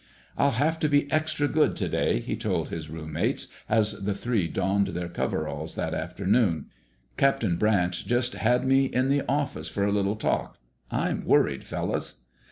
"I'll have to be extra good today," he told his roommates, as the three donned their coveralls that afternoon. "Captain Branch just had me in the office for a little talk. I'm worried, fellows."